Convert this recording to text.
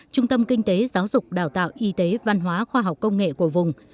trung tâm kinh tế giáo dục đào tạo y tế văn hóa khoa học công nghệ của vùng